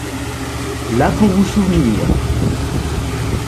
là pour vous souvenir !